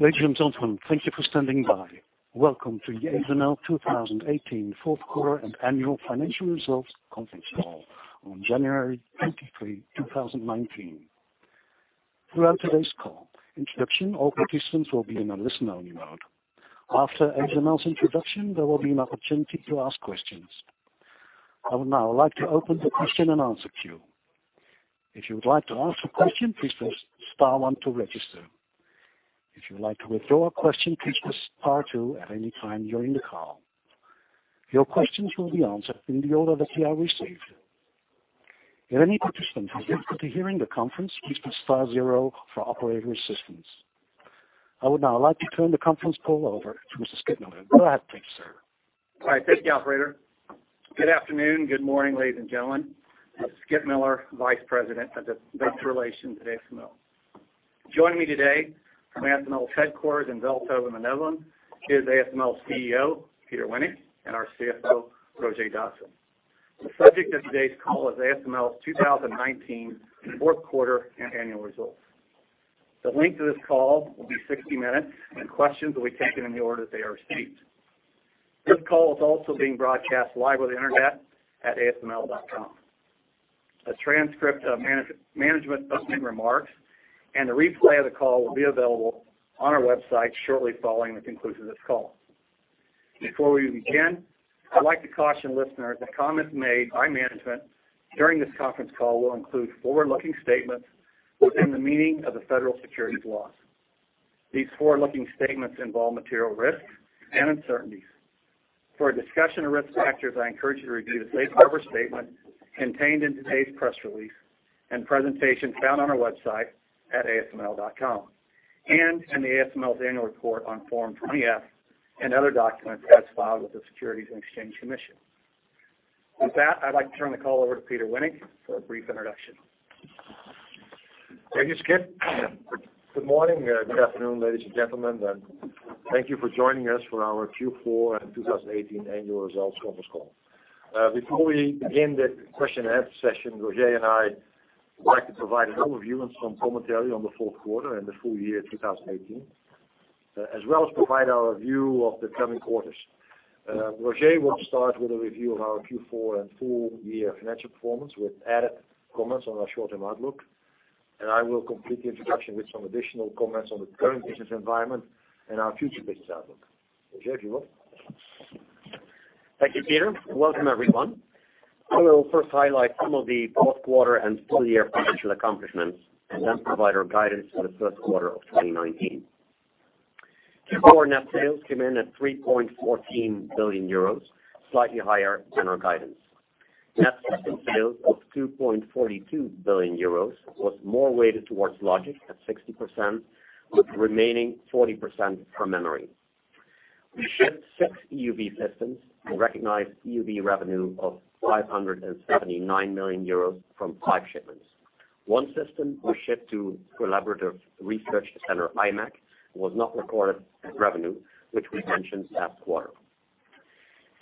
Ladies and gentlemen, thank you for standing by. Welcome to the ASML 2018 fourth quarter and annual financial results conference call on January 23, 2019. Throughout today's call introduction, all participants will be in a listen-only mode. After ASML's introduction, there will be an opportunity to ask questions. I would now like to open the question and answer queue. If you would like to ask a question, please press star one to register. If you would like to withdraw a question, please press star two at any time during the call. Your questions will be answered in the order that they are received. If any participant has difficulty hearing the conference, please press star zero for operator assistance. I would now like to turn the conference call over to Skip Miller. Go ahead, sir. Thank you, operator. Good afternoon, good morning, ladies and gentlemen. This is Skip Miller, Vice President of Investor Relations at ASML. Joining me today from ASML's headquarters in Veldhoven, Netherlands, is ASML's CEO, Peter Wennink, and our CFO, Roger Dassen. The subject of today's call is ASML's 2019 fourth quarter and annual results. The length of this call will be 60 minutes, and questions will be taken in the order they are received. This call is also being broadcast live on the internet at asml.com. A transcript of management opening remarks and the replay of the call will be available on our website shortly following the conclusion of this call. Before we begin, I'd like to caution listeners that comments made by management during this conference call will include forward-looking statements within the meaning of the federal securities laws. These forward-looking statements involve material risks and uncertainties. For a discussion of risk factors, I encourage you to review the safe harbor statement contained in today's press release and presentation found on our website at asml.com, and in ASML's annual report on Form 20-F, and other documents as filed with the Securities and Exchange Commission. With that, I'd like to turn the call over to Peter Wennink for a brief introduction. Thank you, Skip. Good morning, good afternoon, ladies and gentlemen, thank you for joining us for our Q4 and 2018 annual results conference call. Before we begin the question and answer session, Roger and I would like to provide an overview and some commentary on the fourth quarter and the full year 2018, as well as provide our view of the coming quarters. Roger will start with a review of our Q4 and full-year financial performance, with added comments on our short-term outlook, and I will complete the introduction with some additional comments on the current business environment and our future business outlook. Roger, if you will. Thank you, Peter. Welcome, everyone. I will first highlight some of the full-year financial accomplishments, and then provide our guidance for the first quarter of 2019. Q4 net sales came in at 3.14 billion euros, slightly higher than our guidance. Net system sales of 2.42 billion euros was more weighted towards logic at 60%, with the remaining 40% from memory. We shipped six EUV systems and recognized EUV revenue of 579 million euros from five shipments. One system was shipped to collaborative research center imec, was not recorded as revenue, which we mentioned last quarter.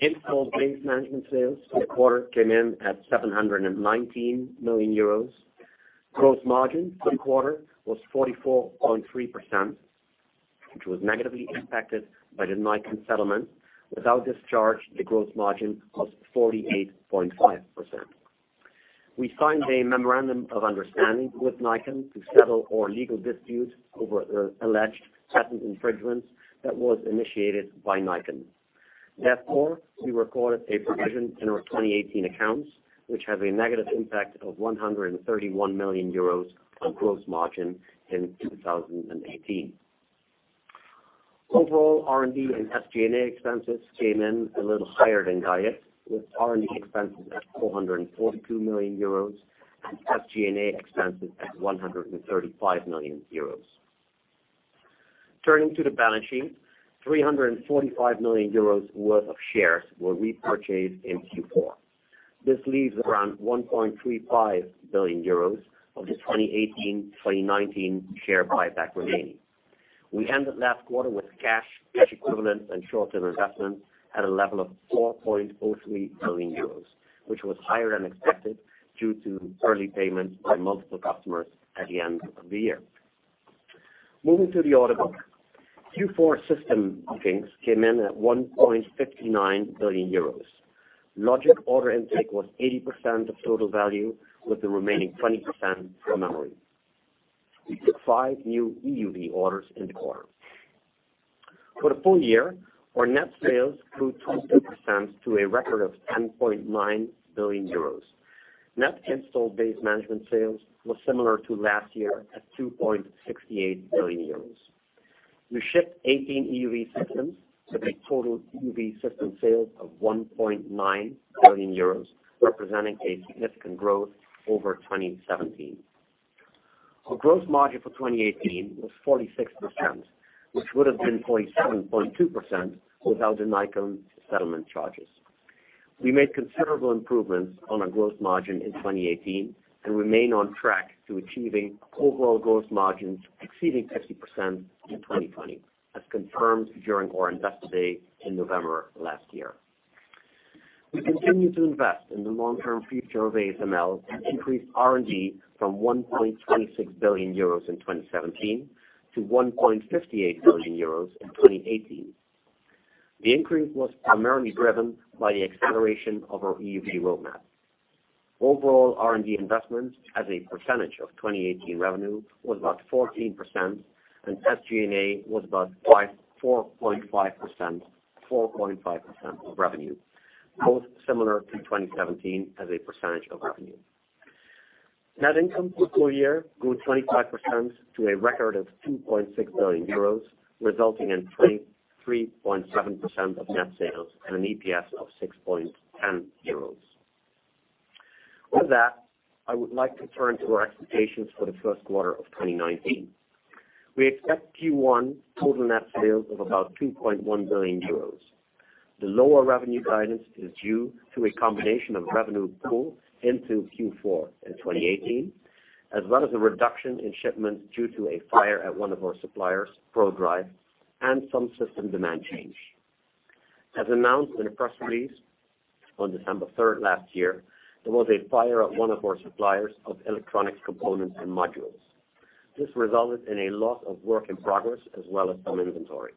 Installed base management sales for the quarter came in at 719 million euros. Gross margin for the quarter was 44.3%, which was negatively impacted by the Nikon settlement. Without this charge, the gross margin was 48.5%. We signed a memorandum of understanding with Nikon to settle our legal dispute over alleged patent infringement that was initiated by Nikon. Therefore, we recorded a provision in our 2018 accounts, which has a negative impact of 131 million euros on gross margin in 2018. Overall, R&D and SG&A expenses came in a little higher than guided, with R&D expenses at 442 million euros and SG&A expenses at 135 million euros. Turning to the balance sheet, 345 million euros worth of shares were repurchased in Q4. This leaves around 1.35 billion euros of the 2018-2019 share buyback remaining. We ended last quarter with cash equivalents, and short-term investments at a level of 4.03 billion euros, which was higher than expected due to early payments by multiple customers at the end of the year. Moving to the order book. Q4 system bookings came in at 1.59 billion euros. Logic order intake was 80% of total value, with the remaining 20% from memory. We took five new EUV orders in the quarter. For the full-year, our net sales grew 20% to a record of 10.9 billion euros. Net installed base management sales was similar to last year at 2.68 billion euros. We shipped 18 EUV systems, with a total EUV system sales of 1.9 billion euros, representing a significant growth over 2017. Our gross margin for 2018 was 46%, which would have been 47.2% without the Nikon settlement charges. We made considerable improvements on our gross margin in 2018 and remain on track to achieving overall gross margins exceeding 50% in 2020, as confirmed during our Investor Day in November of last year. We continue to invest in the long-term future of ASML to increase R&D from 1.26 billion euros in 2017 to 1.58 billion euros in 2018. The increase was primarily driven by the acceleration of our EUV roadmap. Overall R&D investments as a percentage of 2018 revenue was about 14%, and SG&A was about 4.5% of revenue, both similar to 2017 as a percentage of revenue. Net income for full-year grew 25% to a record of 2.6 billion euros, resulting in 23.7% of net sales and an EPS of 6.10 euros. With that, I would like to turn to our expectations for the first quarter of 2019. We expect Q1 total net sales of about 2.1 billion euros. The lower revenue guidance is due to a combination of revenue pull into Q4 in 2018, as well as a reduction in shipments due to a fire at one of our suppliers, Prodrive, and some system demand change. As announced in a press release on December 3rd last year, there was a fire at one of our suppliers of electronic components and modules. This resulted in a loss of work in progress, as well as some inventory.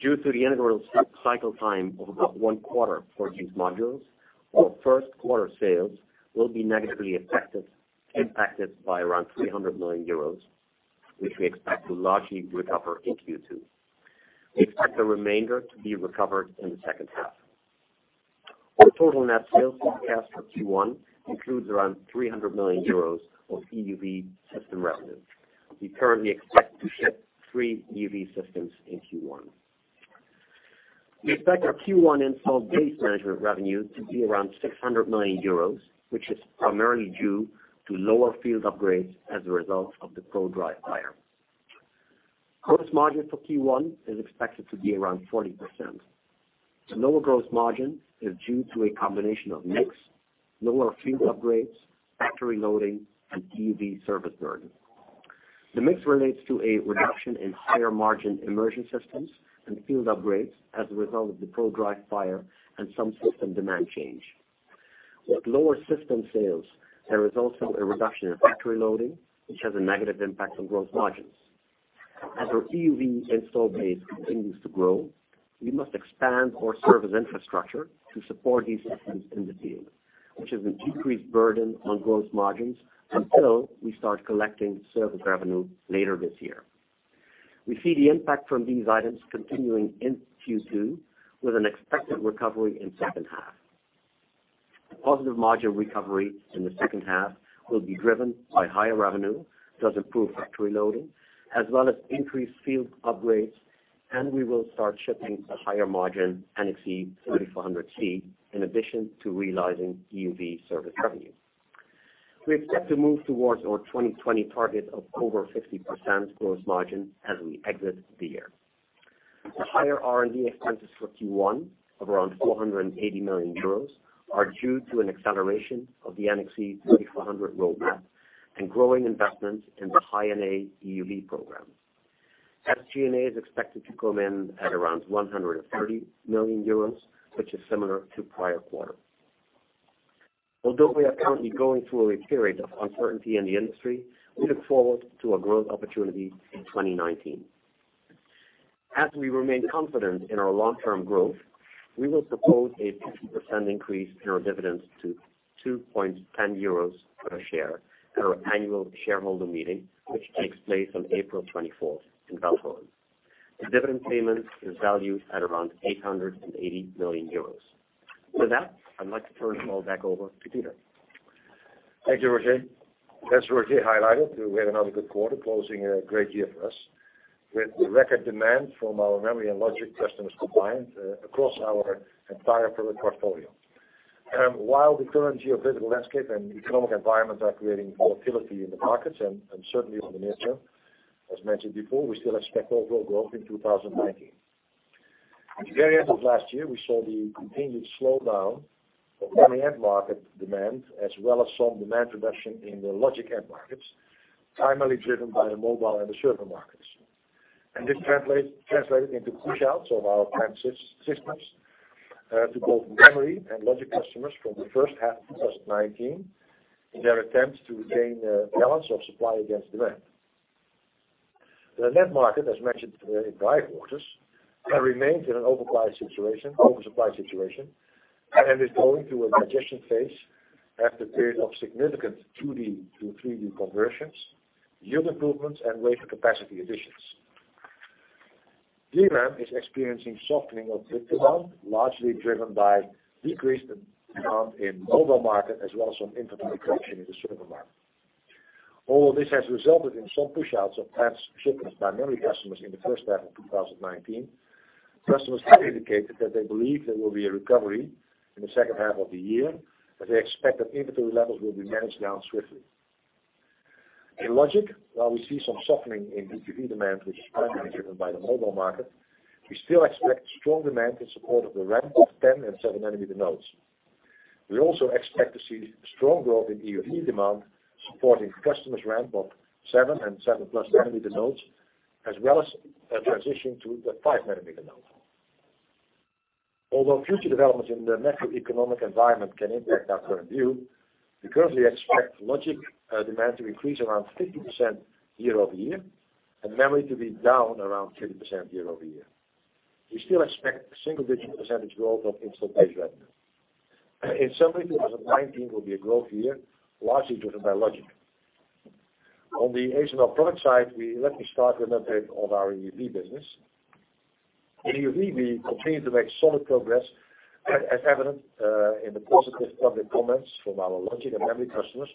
Due to the integral cycle time of about one quarter for these modules, our first quarter sales will be negatively impacted by around 300 million euros, which we expect to largely recover in Q2. We expect the remainder to be recovered in the second half. Our total net sales forecast for Q1 includes around 300 million euros of EUV system revenue. We currently expect to ship three EUV systems in Q1. We expect our Q1 installed base management revenue to be around 600 million euros, which is primarily due to lower field upgrades as a result of the Prodrive fire. Gross margin for Q1 is expected to be around 40%. The lower gross margin is due to a combination of mix, lower field upgrades, factory loading, and EUV service burden. The mix relates to a reduction in higher margin immersion systems and field upgrades as a result of the Prodrive fire and some system demand change. With lower system sales, there is also a reduction in factory loading, which has a negative impact on gross margins. As our EUV install base continues to grow, we must expand our service infrastructure to support these systems in the field, which is a decreased burden on growth margins until we start collecting service revenue later this year. We see the impact from these items continuing into Q2 with an expected recovery in second half. The positive margin recovery in the second half will be driven by higher revenue, thus improved factory loading, as well as increased field upgrades, and we will start shipping the higher margin NXE:3400C, in addition to realizing EUV service revenue. We expect to move towards our 2020 target of over 50% gross margin as we exit the year. The higher R&D expenses for Q1 of around 480 million euros are due to an acceleration of the NXE:3400 roadmap and growing investment in the High-NA EUV program. SG&A is expected to come in at around 130 million euros, which is similar to prior quarter. Although we are currently going through a period of uncertainty in the industry, we look forward to a growth opportunity in 2019. As we remain confident in our long-term growth, we will propose a 50% increase in our dividends to 2.10 euros per share at our annual shareholder meeting, which takes place on April 24th in Belgium. The dividend payment is valued at around 880 million euros. With that, I'd like to turn the call back over to Peter. Thank you, Roger. As Roger highlighted, we had another good quarter closing a great year for us. With record demand from our memory and logic customers combined, across our entire product portfolio. While the current geopolitical landscape and economic environment are creating volatility in the markets and uncertainty on the near term, as mentioned before, we still expect overall growth in 2019. At the very end of last year, we saw the continued slowdown of memory end market demand, as well as some demand reduction in the logic end markets, primarily driven by the mobile and the server markets. This translated into pushouts of our planned systems to both memory and logic customers from the first half of 2019 in their attempt to gain a balance of supply against demand. The NAND market, as mentioned in prior quarters, remains in an oversupply situation and is going through a digestion phase after a period of significant 2D to 3D conversions, yield improvements, and wafer capacity additions. DRAM is experiencing softening of bit demand, largely driven by decreased demand in mobile market as well as some inventory reduction in the server market. All this has resulted in some pushouts of planned shipments by memory customers in the first half of 2019. Customers have indicated that they believe there will be a recovery in the second half of the year, as they expect that inventory levels will be managed down swiftly. In logic, while we see some softening in DPU demand, which is primarily driven by the mobile market, we still expect strong demand in support of the ramp of 10 and seven nanometer nodes. We also expect to see strong growth in EUV demand supporting customers' ramp of seven and seven plus nanometer nodes, as well as a transition to the five nanometer node. Although future developments in the macroeconomic environment can impact our current view, we currently expect logic demand to increase around 50% year-over-year, and memory to be down around 30% year-over-year. We still expect single-digit percentage growth of installed base revenue. Certainly, 2019 will be a growth year, largely driven by logic. On the ASML product side, let me start with an update of our EUV business. In EUV, we continue to make solid progress, as evident in the positive public comments from our logic and memory customers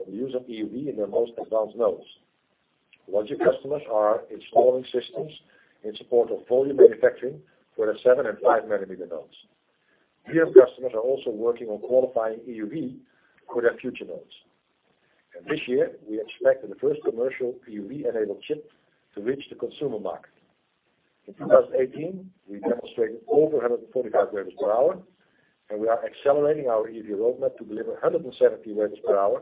on the use of EUV in their most advanced nodes. Logic customers are installing systems in support of volume manufacturing for the seven and five nanometer nodes. Memory customers are also working on qualifying EUV for their future nodes. This year, we expect the first commercial EUV-enabled chip to reach the consumer market. In 2018, we demonstrated over 145 wafers per hour, and we are accelerating our EUV roadmap to deliver 170 wafers per hour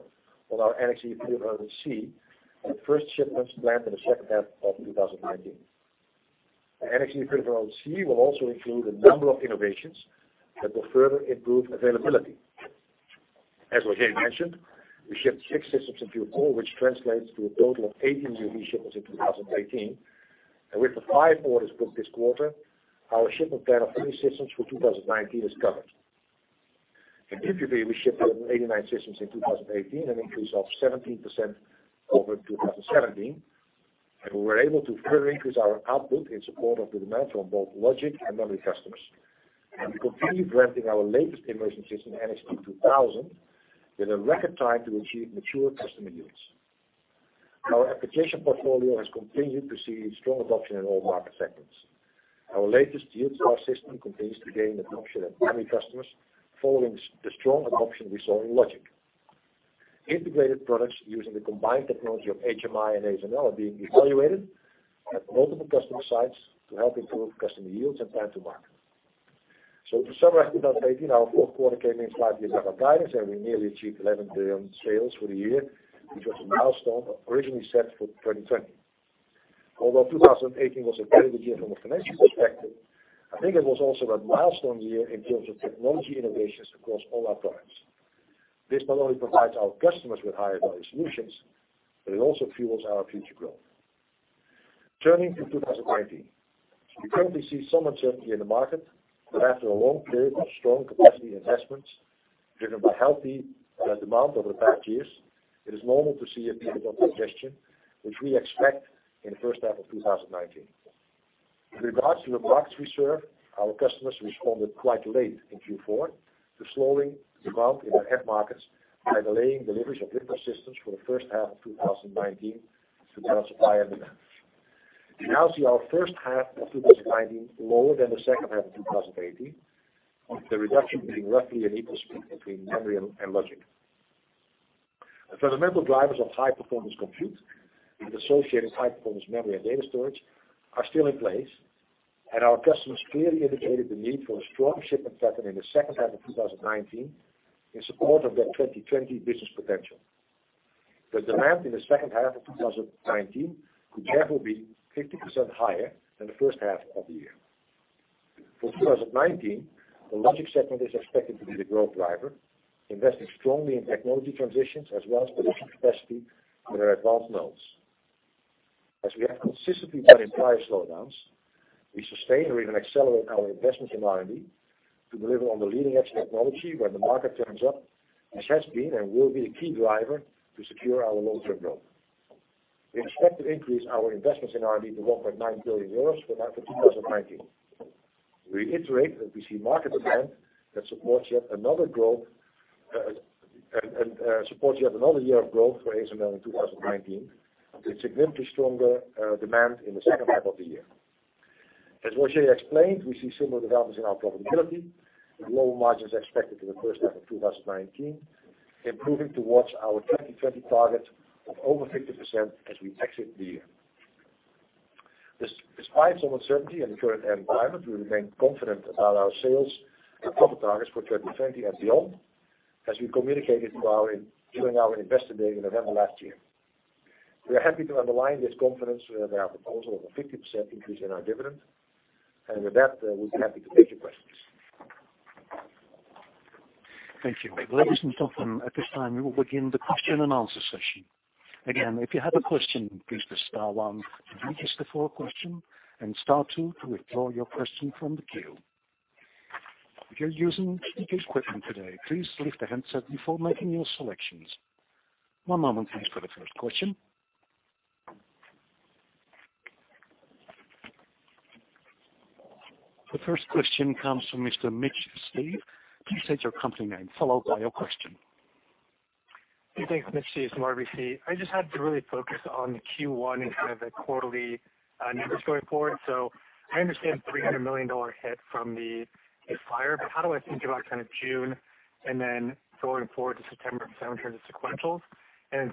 on our NXE:3400C, with first shipments planned for the second half of 2019. NXE:3400C will also include a number of innovations that will further improve availability. As Roger mentioned, we shipped six systems in Q4, which translates to a total of 18 EUV shipments in 2018. With the five orders booked this quarter, our shipment plan of 30 systems for 2019 is covered. In DUV, we shipped 189 systems in 2018, an increase of 17% over 2017, and we were able to further increase our output in support of the demand from both logic and memory customers. We continue ramping our latest immersion system, NXT2000, with a record time to achieve mature customer yields. Our application portfolio has continued to see strong adoption in all market segments. Our latest YieldStar system continues to gain adoption at memory customers, following the strong adoption we saw in logic. Integrated products using the combined technology of HMI and ASML are being evaluated at multiple customer sites to help improve customer yields and time to market. To summarize 2018, our fourth quarter came in slightly above our guidance, and we nearly achieved 11 billion sales for the year, which was a milestone originally set for 2020. Although 2018 was a very good year from a financial perspective, I think it was also a milestone year in terms of technology innovations across all our products. Turning to 2019. We currently see some uncertainty in the market, after a long period of strong capacity investments driven by healthy demand over the past years, it is normal to see a period of congestion, which we expect in the first half of 2019. With regards to the markets we serve, our customers responded quite late in Q4 to slowing demand in their end markets by delaying deliveries of litho systems for the first half of 2019 to balance supply and demand. We now see our first half of 2019 lower than the second half of 2018, with the reduction being roughly in equal split between memory and logic. The fundamental drivers of high-performance compute and associated high-performance memory and data storage are still in place, and our customers clearly indicated the need for a strong shipment pattern in the second half of 2019 in support of their 2020 business potential. The demand in the second half of 2019 could therefore be 50% higher than the first half of the year. For 2019, the logic segment is expected to be the growth driver, investing strongly in technology transitions as well as production capacity for their advanced nodes. As we have consistently done in prior slowdowns, we sustain or even accelerate our investments in R&D to deliver on the leading-edge technology when the market turns up, which has been and will be a key driver to secure our long-term growth. We expect to increase our investments in R&D to 1.9 billion euros for that of 2019. We reiterate that we see market demand that supports yet another year of growth for ASML in 2019, with significantly stronger demand in the second half of the year. As Roger explained, we see similar developments in our profitability, with lower margins expected in the first half of 2019, improving towards our 2020 target of over 50% as we exit the year. Despite some uncertainty in the current environment, we remain confident about our sales and profit targets for 2020 and beyond, as we communicated during our Investor Day in November last year. We are happy to underline this confidence with our proposal of a 50% increase in our dividend. With that, we'll be happy to take your questions. Thank you. Ladies and gentlemen, at this time, we will begin the question and answer session. Again, if you have a question, please press star 1 to be placed in the queue for a question, and star 2 to withdraw your question from the queue. If you're using speaker equipment today, please leave the handset before making your selections. One moment please for the first question. The first question comes from Mr. Mitch Steves. Please state your company name, followed by your question. Thanks. Mitch Steves from RBC. I just had to really focus on Q1 and kind of the quarterly numbers going forward. I understand the EUR 300 million hit from the fire, but how do I think about kind of June, and then going forward to September and September in the sequentials?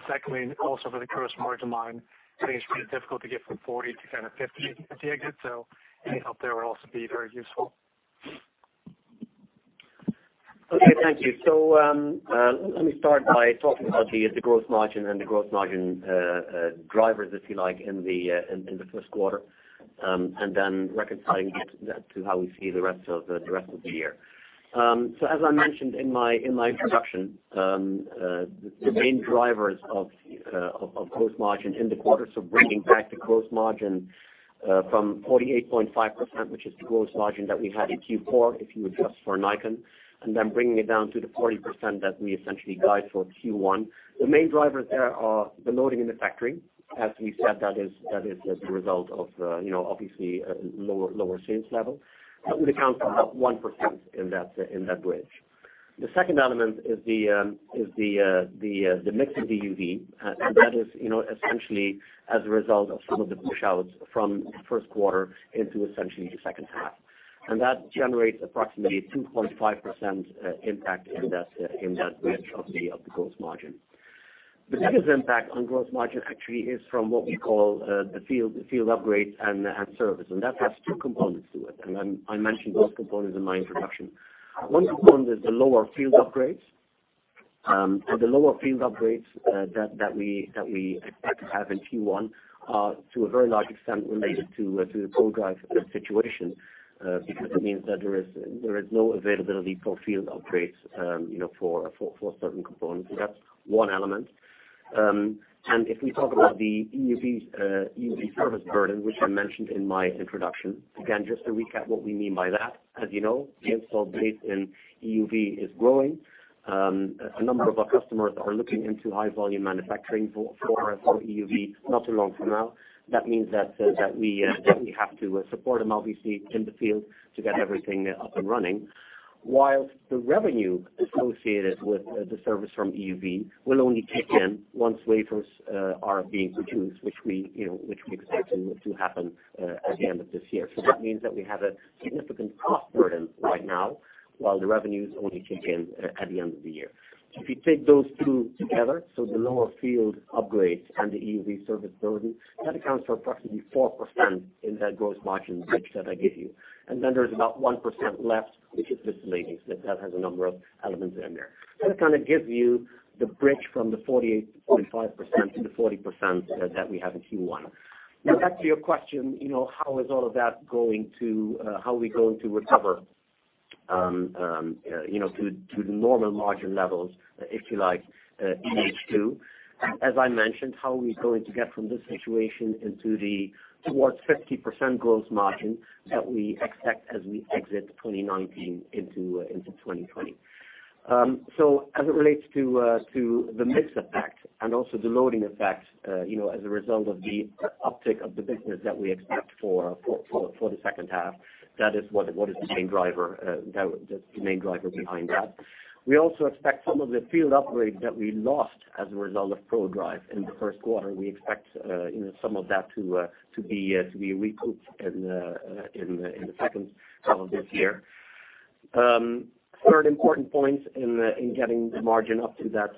Secondly, also for the gross margin line, I think it's pretty difficult to get from 40% to kind of 50% at the exit, so any help there would also be very useful. Thank you. Let me start by talking about the gross margin and the gross margin drivers, if you like, in the first quarter, reconciling that to how we see the rest of the year. As I mentioned in my introduction, the main drivers of gross margin in the quarter, bringing back the gross margin from 48.5%, which is the gross margin that we had in Q4, if you adjust for Nikon, bringing it down to the 40% that we essentially guide for Q1. The main drivers there are the loading in the factory. As we said, that is the result of obviously lower sales level. That would account for about 1% in that bridge. The second element is the mix of EUV, that is essentially as a result of some of the push outs from the first quarter into essentially the second half. That generates approximately 2.5% impact in that bridge of the growth margin. The biggest impact on growth margin actually is from what we call the field upgrades and service. That has two components to it, I mentioned both components in my introduction. One component is the lower field upgrades. The lower field upgrades that we expect to have in Q1 are to a very large extent related to the Prodrive situation, because it means that there is no availability for field upgrades for certain components. That's one element. If we talk about the EUV service burden, which I mentioned in my introduction, again, just to recap what we mean by that, as you know, the install base in EUV is growing. A number of our customers are looking into high volume manufacturing for EUV not too long from now. That means that we definitely have to support them, obviously, in the field to get everything up and running. Whilst the revenue associated with the service from EUV will only kick in once wafers are being produced, which we expect to happen at the end of this year. That means that we have a significant cost burden right now, while the revenues only kick in at the end of the year. If you take those two together, the lower field upgrades and the EUV service burden, that accounts for approximately 4% in that growth margin bridge that I give you. Then there's about 1% left, which is miscellaneous. That has a number of elements in there. That kind of gives you the bridge from the 48.5% to the 40% that we have in Q1. Now back to your question, how are we going to recover to the normal margin levels, if you like, in H2? As I mentioned, how are we going to get from this situation towards 50% growth margin that we expect as we exit 2019 into 2020? As it relates to the mix effect and also the loading effect as a result of the uptick of the business that we expect for the second half, that is what is the main driver behind that. We also expect some of the field upgrades that we lost as a result of Prodrive in the first quarter, we expect some of that to be recouped in the second half of this year. Third important point in getting the margin up to that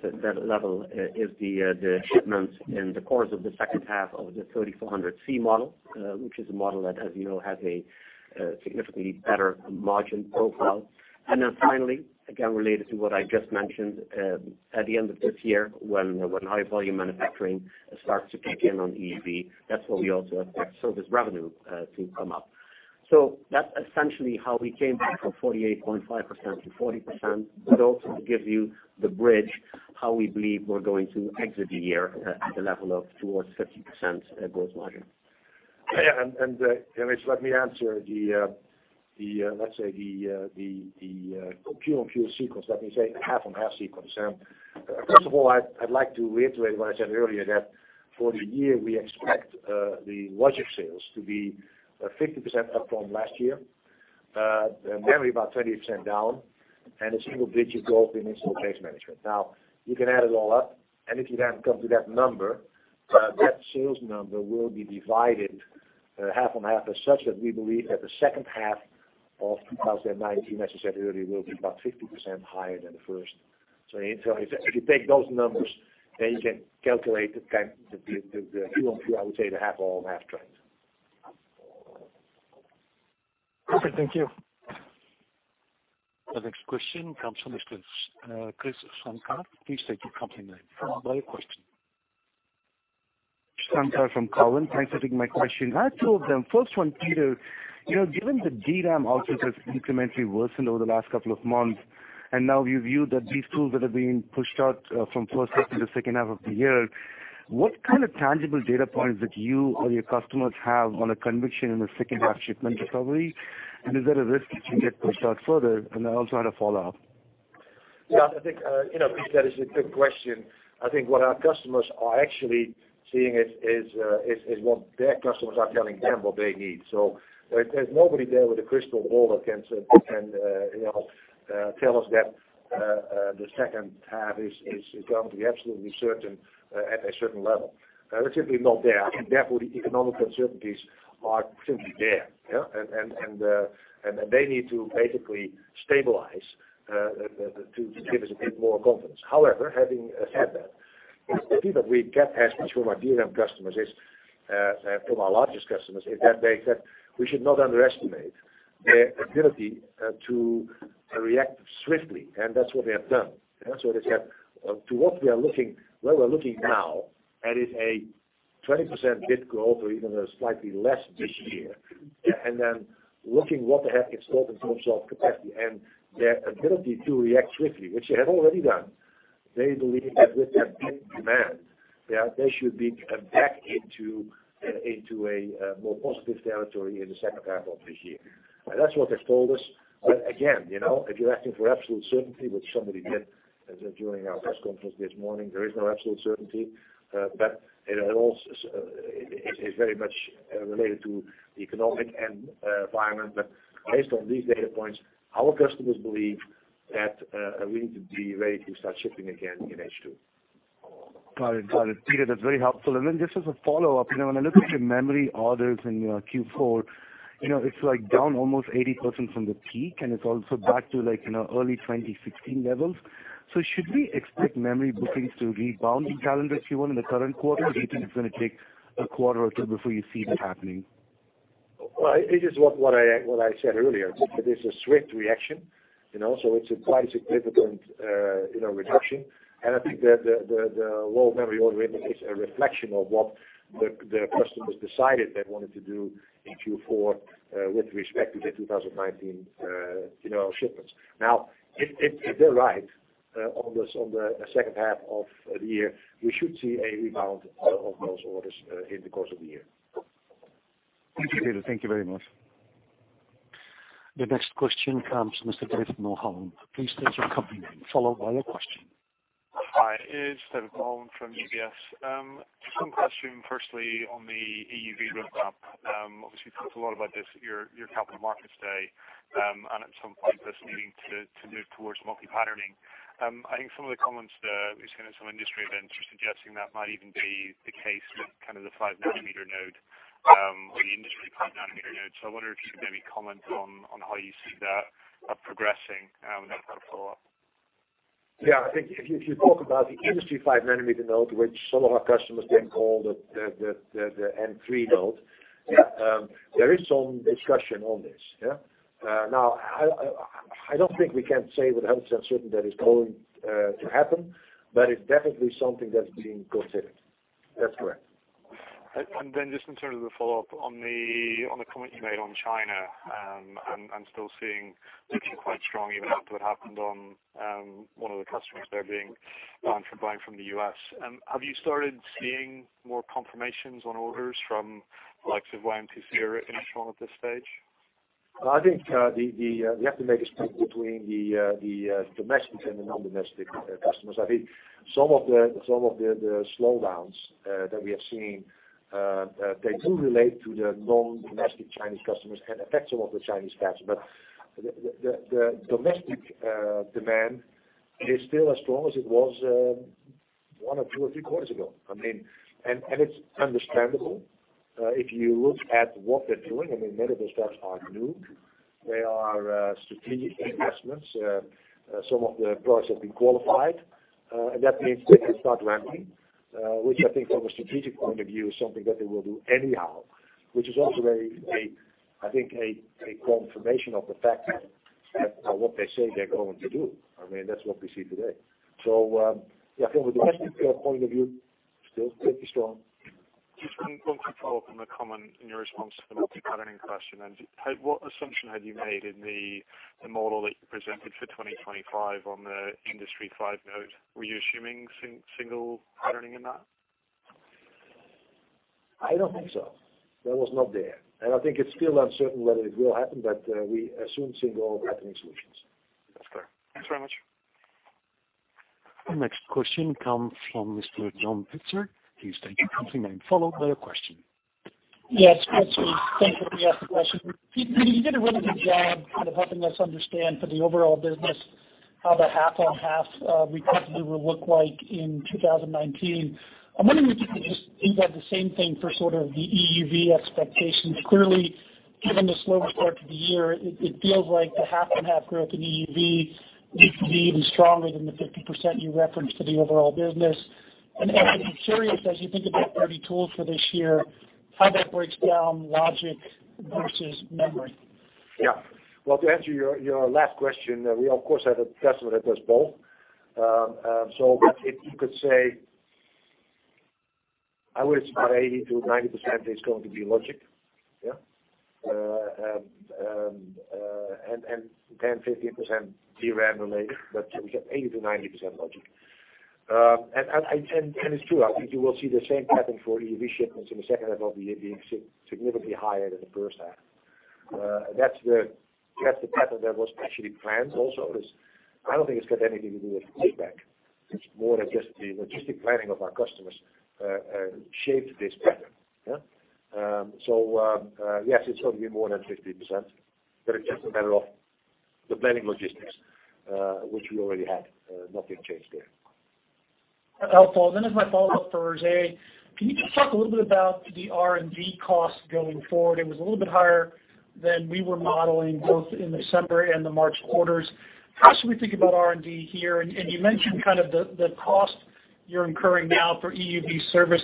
level is the shipments in the course of the second half of the 3400C model, which is a model that, as you know, has a significantly better margin profile. Then finally, again, related to what I just mentioned, at the end of this year, when high volume manufacturing starts to kick in on EUV, that's where we also expect service revenue to come up. That's essentially how we came from 48.5% to 40%, but also to give you the bridge, how we believe we're going to exit the year at the level of towards 50% growth margin. Yeah, Mitch, let me answer, let's say the Q on Q sequence. Let me say half on half sequence. First of all, I'd like to reiterate what I said earlier, that for the year, we expect the logic sales to be 50% up from last year, the memory about 30% down, and a single-digit growth in install base management. You can add it all up, and if you then come to that number, that sales number will be divided half on half as such that we believe that the second half of 2019, as I said earlier, will be about 50% higher than the first. If you take those numbers, then you can calculate the Q on Q, I would say the half on half trend. Okay. Thank you. The next question comes from Mr. Krish Sankar. Please state your company name followed by your question. Sankar from Cowen. Thanks for taking my question. I have two of them. First one, Peter. Given the DRAM outlook has incrementally worsened over the last couple of months, and now you view that these tools that are being pushed out from first half to the second half of the year, what kind of tangible data points did you or your customers have on a conviction in the second half shipment recovery? Is there a risk it can get pushed out further? I also had a follow-up. Yeah, I think, Krish, that is a good question. I think what our customers are actually seeing is what their customers are telling them what they need. There's nobody there with a crystal ball that can tell us that the second half is going to be absolutely certain at a certain level. They're simply not there. Therefore, the economic uncertainties are simply there. They need to basically stabilize to give us a bit more confidence. However, having said that, the feedback we get, especially from our DRAM customers, is, from our largest customers, is that they said we should not underestimate their ability to react swiftly, and that's what they have done. To what we are looking, where we're looking now, that is a 20% bit growth or even a slightly less this year. Looking what they have installed in terms of capacity and their ability to react swiftly, which they have already done, they believe that with that bit demand, they should be back into a more positive territory in the second half of this year. That's what they've told us. Again, if you're asking for absolute certainty, which somebody did during our press conference this morning, there is no absolute certainty. It also is very much related to the economic environment. Based on these data points, our customers believe that we need to be ready to start shipping again in H2. Got it. Peter, that's very helpful. Just as a follow-up, when I look at your memory orders in Q4, it's down almost 80% from the peak, and it's also back to early 2016 levels. Should we expect memory bookings to rebound in calendar Q1 in the current quarter? Do you think it's going to take a quarter or two before you see that happening? Well, it is what I said earlier. It is a swift reaction, it's a quite significant reduction. I think the low memory order rate is a reflection of what the customers decided they wanted to do in Q4 with respect to their 2019 shipments. If they're right on the second half of the year, we should see a rebound of those orders in the course of the year. Thank you, Peter. Thank you very much. The next question comes from Mr. David Mulholland. Please state your company name, followed by your question. Hi, it's David Mulholland from UBS. Just one question, firstly, on the EUV roadmap. Obviously, you talked a lot about this at your Capital Markets Day, and at some point, this needing to move towards multi-patterning. I think some of the comments we've seen at some industry events are suggesting that might even be the case with kind of the 5-nanometer node or the industry 5-nanometer node. I wonder if you could maybe comment on how you see that progressing? Then I've got a follow-up. Yeah. I think if you talk about the industry 5-nanometer node, which some of our customers then call the N3 node, there is some discussion on this. I don't think we can say with 100% certain that it's going to happen, it's definitely something that's being considered. That's correct. Just in terms of the follow-up on the comment you made on China, I'm still seeing pitching quite strong even after what happened on one of the customers there being banned from buying from the U.S. Have you started seeing more confirmations on orders from the likes of YMTC or Innotron at this stage? I think we have to make a split between the domestic and the non-domestic customers. I think some of the slowdowns that we have seen, they do relate to the non-domestic Chinese customers and affect some of the Chinese customers. The domestic demand is still as strong as it was one or two or three quarters ago. It's understandable. If you look at what they're doing, many of those plants are new. They are strategic investments. Some of the products have been qualified. That means that it's not ramping, which I think from a strategic point of view, is something that they will do anyhow, which is also, I think, a confirmation of the fact of what they say they're going to do. That's what we see today. Yeah, from a domestic point of view, still pretty strong. Just one quick follow-up on the comment in your response to the multi-patterning question. What assumption had you made in the model that you presented for 2025 on the industry five-node? Were you assuming single patterning in that? I don't think so. That was not there. I think it's still uncertain whether it will happen, we assume single patterning solutions. That's fair. Thanks very much. The next question comes from Mr. John Pitzer. Please state your company name, followed by your question. Yes. Pitzer. Thank you for the last question. Peter, you did a really good job kind of helping us understand for the overall business how the half-on-half recovery will look like in 2019. I'm wondering if you could just do that the same thing for sort of the EUV expectations. Clearly, given the slow start to the year, it feels like the half-and-half growth in EUV needs to be even stronger than the 50% you referenced for the overall business. Actually, I'm curious, as you think about 30 tools for this year, how that breaks down logic versus memory? Yeah. Well, to answer your last question, we of course have a customer that does both. If you could say, I would say 80%-90% is going to be logic. 10%-15% DRAM related, but we said 80%-90% logic. It's true, I think you will see the same pattern for EUV shipments in the second half of the year being significantly higher than the first half. That's the pattern that was actually planned also. I don't think it's got anything to do with pushback. It's more that just the logistic planning of our customers shaped this pattern. Yes, it's going to be more than 50%, but it's just a matter of the planning logistics, which we already had. Nothing changed there. Helpful. As my follow-up for Roger, can you just talk a little bit about the R&D cost going forward? It was a little bit higher than we were modeling both in the December and the March quarters. How should we think about R&D here? You mentioned the cost you're incurring now for EUV service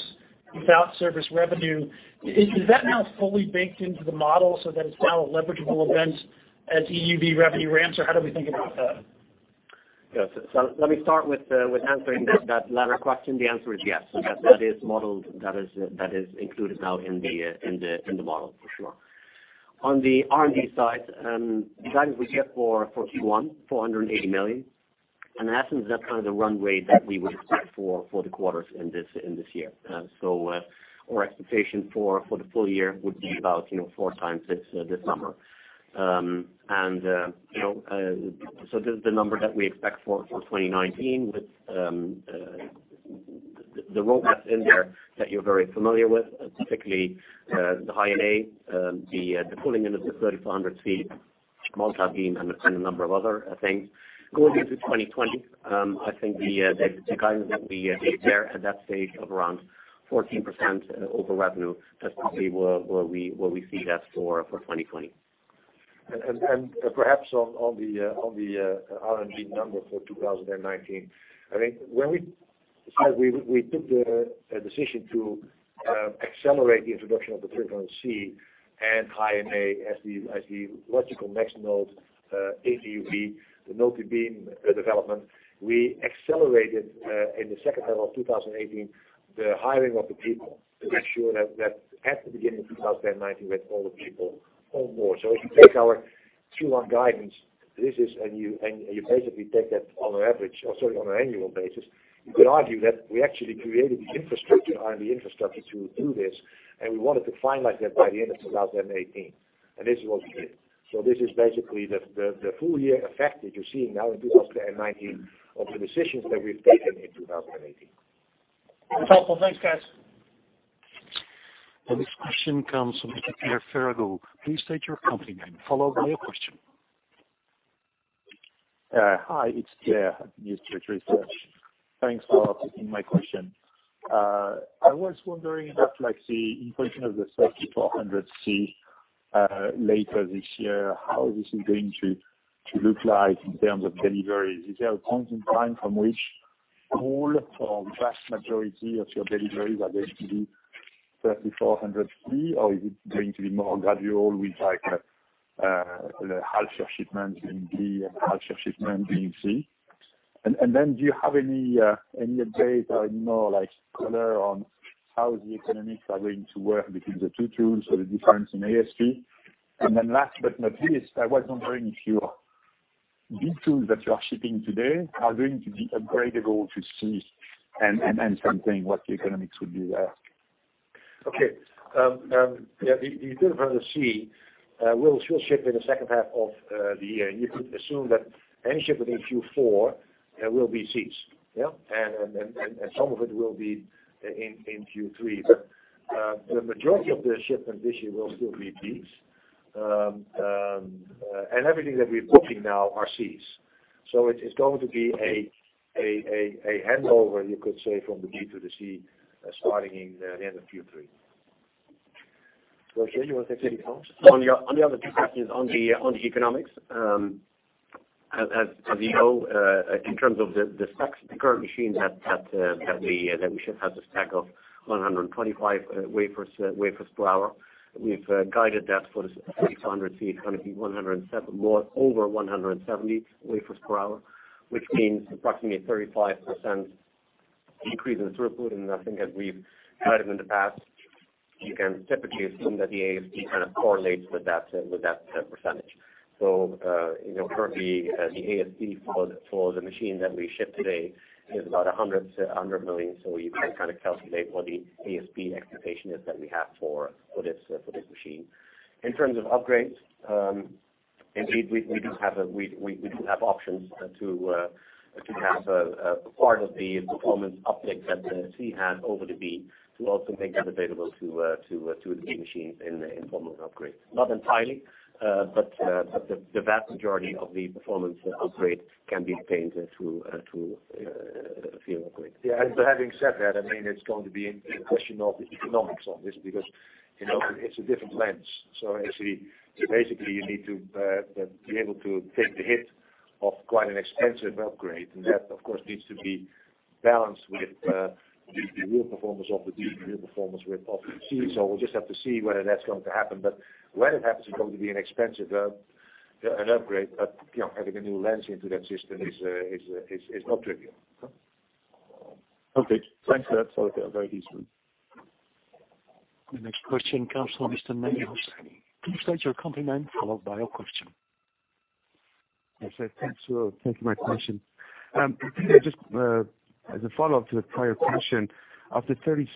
without service revenue. Is that now fully baked into the model so that it's now a leverageable event as EUV revenue ramps, or how do we think about that? Yes. Let me start with answering that latter question. The answer is yes. That is included now in the model for sure. On the R&D side, the guidance we give for Q1, 480 million. In essence, that's kind of the runway that we would expect for the quarters in this year. Our expectation for the full year would be about four times this number. This is the number that we expect for 2019 with the roadmap in there that you're very familiar with, specifically the High-NA, the pulling in of the 3400C multibeam, and a number of other things. Going into 2020, I think the guidance that we gave there at that stage of around 14% over revenue is probably where we see that for 2020. Perhaps on the R&D number for 2019, I think when we took the decision to accelerate the introduction of the 3400C and High-NA as the logical next node in EUV, the multibeam development. We accelerated, in the second half of 2018, the hiring of the people to make sure that at the beginning of 2019, we had all the people on board. If you take our Q1 guidance, and you basically take that on an annual basis, you could argue that we actually created the R&D infrastructure to do this, and we wanted to finalize that by the end of 2018, and this is what we did. This is basically the full year effect that you're seeing now in 2019 of the decisions that we've taken in 2018. That's helpful. Thanks, guys. The next question comes from Pierre Ferragu. Please state your company name, followed by your question. Hi, it's Pierre at New Street Research. Thanks for taking my question. I was wondering after the introduction of the 3400C later this year, how this is going to look like in terms of deliveries. Is there a point in time from which all or vast majority of your deliveries are going to be 3400C, or is it going to be more gradual with half your shipments in B and half your shipments in C? Do you have any update or more color on how the economics are going to work between the two tools or the difference in ASP? Last but not least, I was wondering if your B tools that you are shipping today are going to be upgradeable to C, and something what the economics would be there. Okay. The 3400C will ship in the second half of the year. You could assume that any ship in Q4 will be Cs. Yeah? Some of it will be in Q3. The majority of the shipment this year will still be Bs. Everything that we're booking now are Cs. It is going to be a handover, you could say, from the B to the C starting in the end of Q3. Roger, you want to say anything else? On the other two questions on the economics. As you know, in terms of the specs, the current machine that we ship has a stack of 125 wafers per hour. We've guided that for the 3400C, it's going to be over 170 wafers per hour, which means approximately a 35% increase in throughput. I think as we've guided in the past, you can typically assume that the ASP kind of correlates with that percentage. Currently the ASP for the machine that we ship today is about 100 million. You can kind of calculate what the ASP expectation is that we have for this machine. In terms of upgrades, indeed we do have options to have a part of the performance uptick that the C has over the B to also make that available to the B machine in the form of an upgrade. Not entirely, but the vast majority of the performance upgrade can be obtained through a few upgrades. Yeah. Having said that, it's going to be a question of the economics of this, because it's a different lens. Basically, you need to be able to take the hit of quite an expensive upgrade, and that, of course, needs to be balanced with the real performance of the B, the real performance with of the C. We'll just have to see whether that's going to happen. When it happens, it's going to be an expensive upgrade, but having a new lens into that system is not trivial. Okay. Thanks for that. Very useful. The next question comes from Mr. Manny Ho. Please state your company name, followed by your question. Yes, sir. Thank you for taking my question. Peter, just as a follow-up to the prior question, of the 30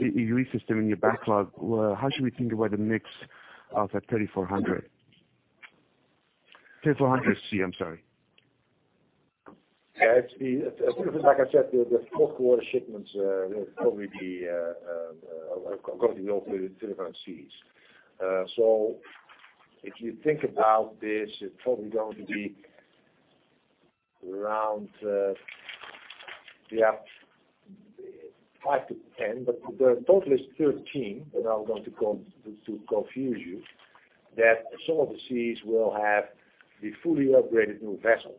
EUV system in your backlog, how should we think about the mix of that 3400C? Like I said, the fourth quarter shipments will probably be all 3400Cs. If you think about this, it's probably going to be around, we have 5 to 10, but the total is 13, and I'm going to confuse you, that some of the Cs will have the fully upgraded new vessel.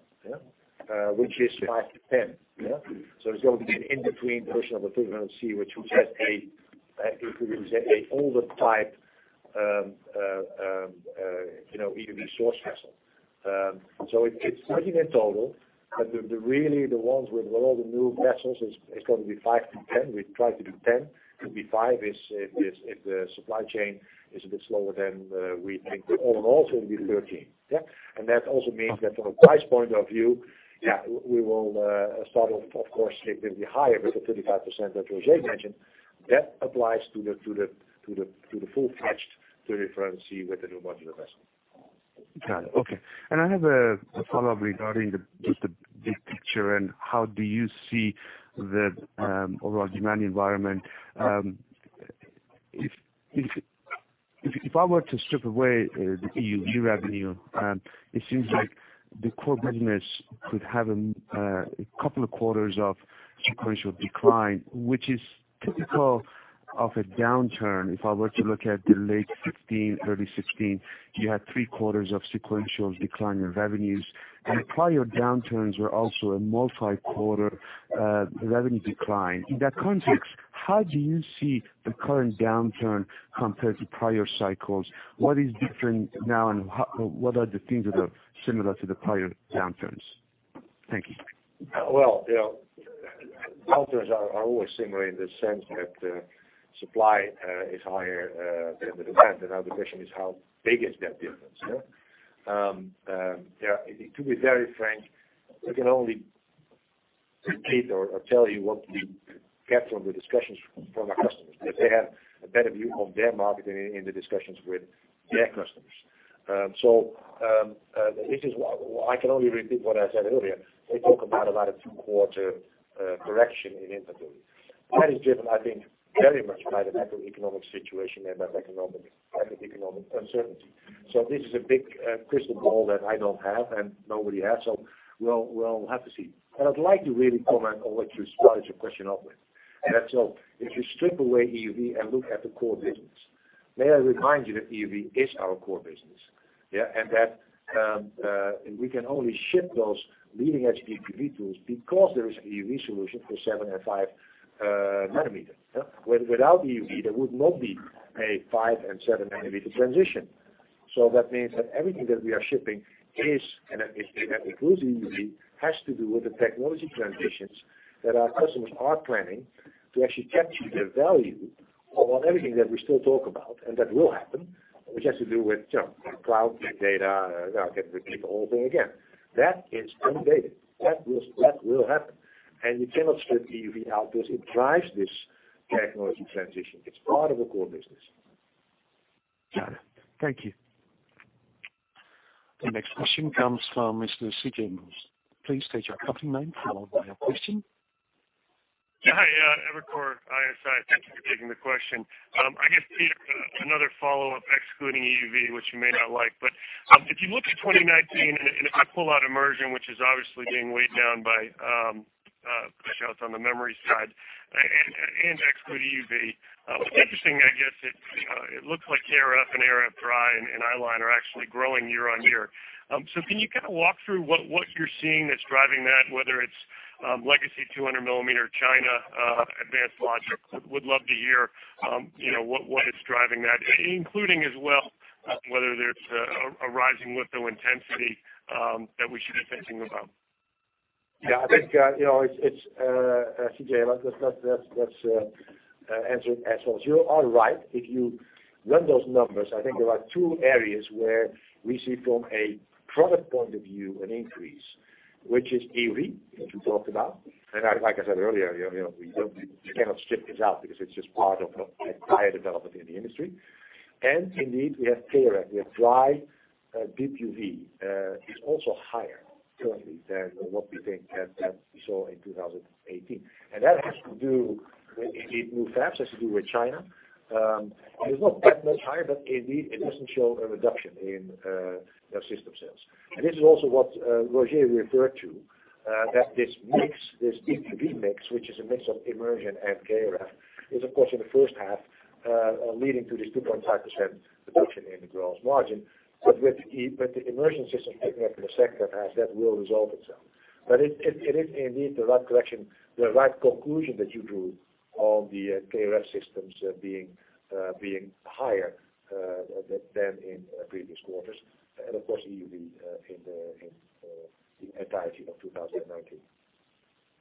Which is 5 to 10. It's going to be an in-between version of a 35C, which will have a older type, EUV source vessel. It's 13 in total, but really the ones with all the new vessels, it's going to be 5 to 10. We try to do 10. It could be five if the supply chain is a bit slower than we think. All in all, it's going to be 13. That also means that from a price point of view, we will start off, of course, it will be higher with the 35% that Roger mentioned. That applies to the full-fledged 35C with the new modular vessel. Got it. Okay. I have a follow-up regarding just the big picture and how do you see the overall demand environment. If I were to strip away the EUV revenue, it seems like the core business could have a couple of quarters of sequential decline, which is typical of a downturn. If I were to look at the late 2015, early 2016, you had three quarters of sequential decline in revenues, and prior downturns were also a multi-quarter revenue decline. In that context, how do you see the current downturn compared to prior cycles? What is different now, and what are the things that are similar to the prior downturns? Thank you. Well, downturns are always similar in the sense that supply is higher than the demand. Now the question is how big is that difference? To be very frank, we can only repeat or tell you what we get from the discussions from our customers, because they have a better view of their market in the discussions with their customers. I can only repeat what I said earlier. They talk about a two-quarter correction in inventory. That is driven, I think, very much by the macroeconomic situation and that economic uncertainty. This is a big crystal ball that I don't have and nobody has, so we'll have to see. I'd like to really comment on what you started your question off with, and that's all. If you strip away EUV and look at the core business, may I remind you that EUV is our core business. We can only ship those leading-edge DUV tools because there is an EUV solution for seven and five nanometers. Without EUV, there would not be a five and seven-nanometer transition. That means that everything that we are shipping that includes EUV, has to do with the technology transitions that our customers are planning to actually capture the value of everything that we still talk about, and that will happen, which has to do with cloud, big data. I can repeat the whole thing again. That is undoubted. That will happen. You cannot strip EUV out because it drives this technology transition. It's part of the core business. Got it. Thank you. The next question comes from Mr. C.J. Muse. Please state your company name, followed by your question. Hi, Evercore ISI. Thank you for taking the question. I guess, Peter, another follow-up excluding EUV, which you may not like, but if you look at 2019 and if I pull out immersion, which is obviously being weighed down by pushouts on the memory side, and exclude EUV, what's interesting, it looks like ArF and ArF dry and i-line are actually growing year-over-year. Can you kind of walk through what you're seeing that's driving that, whether it's legacy 200 millimeter China advanced logic? Would love to hear what is driving that, including as well, whether there's a rising litho intensity that we should be thinking about. I think, C.J., let's answer it as follows. You are right. If you run those numbers, there are two areas where we see from a product point of view an increase, which is EUV, which we talked about. Like I said earlier, you cannot strip this out because it's just part of the entire development in the industry. Indeed, we have KrF, we have dry DUV, is also higher currently than what we saw in 2018. That has to do with in new fabs, has to do with China. It's not that much higher, but indeed, it doesn't show a reduction in their system sales. This is also what Roger referred to, that this mix, this DUV mix, which is a mix of immersion and KrF, is, of course, in the first half, leading to this 2.5% reduction in the gross margin. With the immersion system picking up in the second half, that will resolve itself. It is indeed the right conclusion that you drew on the KrF systems being higher than in previous quarters. Of course, EUV in the entirety of 2019.